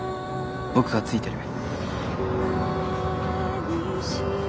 僕がついてる。